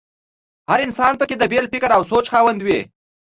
هر انسان په کې د بېل فکر او سوچ خاوند وي.